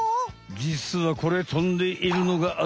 じつはこれ飛んでいるのがアザラシ。